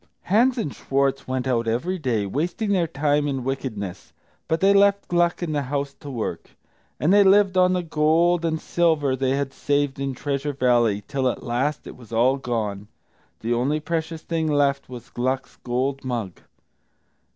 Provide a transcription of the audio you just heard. Hans and Schwartz went out every day, wasting their time in wickedness, but they left Gluck in the house to work. And they lived on the gold and silver they had saved in Treasure Valley, till at last it was all gone. The only precious thing left was Gluck's gold mug.